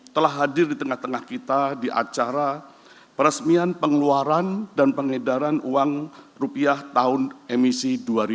telah hadir di tengah tengah kita di acara peresmian pengeluaran dan pengedaran uang rupiah tahun emisi dua ribu dua puluh